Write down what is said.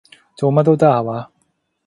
做乜都得下話？